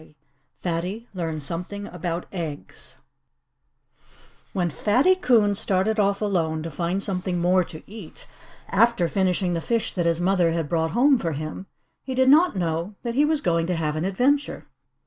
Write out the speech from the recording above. II FATTY LEARNS SOMETHING ABOUT EGGS When Fatty Coon started off alone to find something more to eat, after finishing the fish that his mother had brought home for him, he did not know that he was going to have an adventure.